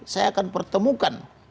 saya akan pertemukan